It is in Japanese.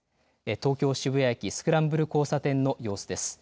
東京渋谷駅、スクランブル交差点の様子です。